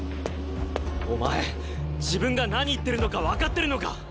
お前自分が何言ってるのか分かってるのか！？